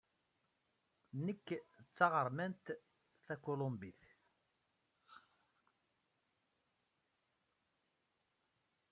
Nekk d taɣermant takulumbit.